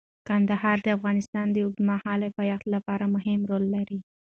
کندهار د افغانستان د اوږدمهاله پایښت لپاره مهم رول لري.